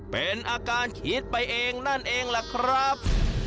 เป็นอาการคิดไปเองนั่นเองล่ะครับ